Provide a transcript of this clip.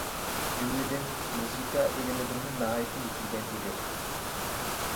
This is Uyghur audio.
جۈملىدىن مۇزىكا ئىلمىدىمۇ ناھايىتى يېتىلگەن ئىدى.